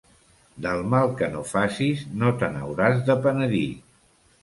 Del mal que no facis, no te n'hauràs de penedir.